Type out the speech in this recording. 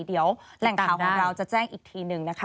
เดี๋ยวแหล่งข่าวของเราจะแจ้งอีกทีหนึ่งนะคะ